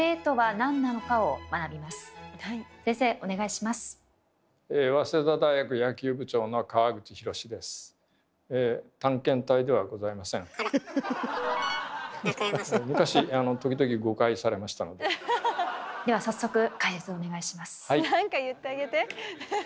何か言ってあげて。